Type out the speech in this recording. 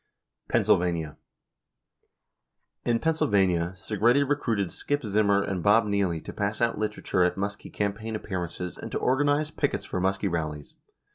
176 Pennsylvania: In Pennsylvania, Segretti recruited Skip Zimmer and Bob Nieley to pass out literature at Muskie campaign appearances and to organize pickets for Muskie rallies.